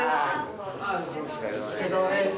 お疲れさまでーす。